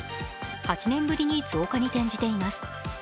８年ぶりに増加に転じています。